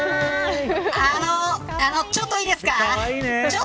ちょっといいですか。